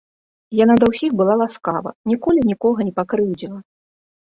Яна да ўсіх была ласкава, ніколі нікога не пакрыўдзіла.